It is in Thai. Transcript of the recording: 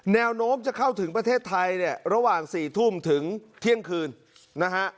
แนวโน้มจะเข้าถึงประเทศไทยเนี่ยระหว่าง๔ทุ่มถึงเที่ยงคืนนะฮะ